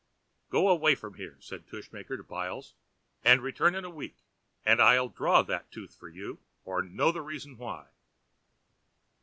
"Go away from here," said Tushmaker to Byles, "and return in a week, and I'll draw that tooth for you or know the reason why."